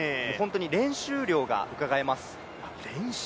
練習量がうかがえます。